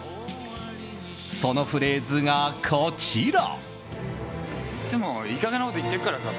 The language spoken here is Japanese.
そのフレーズが、こちら。